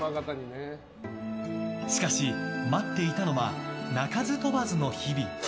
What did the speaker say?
しかし、待っていたのは鳴かず飛ばずの日々。